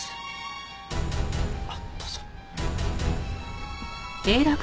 あっどうぞ。